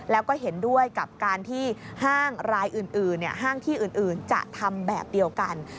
แล้วก็เห็นด้วยกับการที่ห้างรายอื่นห้างที่อื่นจะทำแบบเดียวกัน